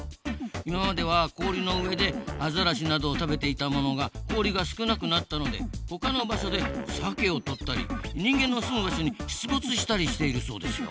今までは氷の上でアザラシなどを食べていたものが氷が少なくなったのでほかの場所でサケをとったり人間の住む場所に出没したりしているそうですよ。